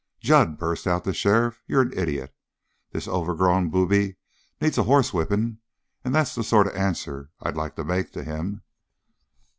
"Jud," burst out the sheriff, "you're an idiot! This overgrown booby needs a horsewhipping, and that's the sort of an answer I'd like to make to him."